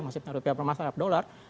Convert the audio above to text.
maksudnya rupiah bermasalah terhadap dolar